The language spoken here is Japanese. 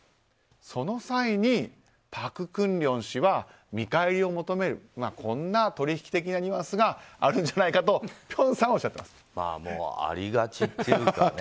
その際に、朴槿令氏は見返りを求めるこんな取引き的なニュアンスがあるんじゃないかとありがちというかね。